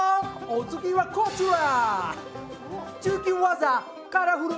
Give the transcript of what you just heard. お次はこちら！